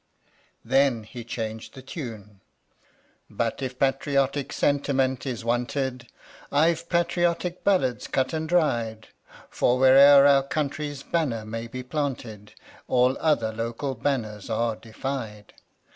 ( Then he changed the tune.) But if patriotic sentiment is wanted, I've patriotic ballads cut and dried, For wher'er our country's banner may be planted, All other local banners are defied.